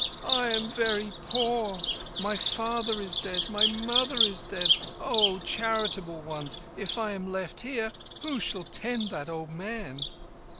"I am very poor. My father is dead—my mother is dead. O charitable ones, if I am left here, who shall tend that old man?"